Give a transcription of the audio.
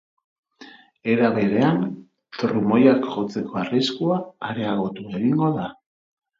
Era berean, trumoiak jotzeko arriskua areagotu egingo da.